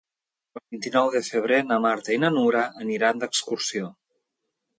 El vint-i-nou de febrer na Marta i na Nura aniran d'excursió.